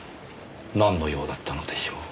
なんの用だったのでしょう。